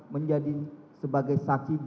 menjadi sebagai saksi